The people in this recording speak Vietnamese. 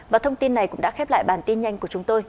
và thông tin này cũng đã khép lại bản tin nhanh của chúng tôi